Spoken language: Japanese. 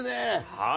はい。